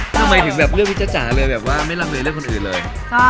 ทำไมถึงแบบเลือกพี่จ๊จ๋าเลยแบบว่าไม่ลังเลเรื่องคนอื่นเลย